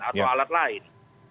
atau alat lain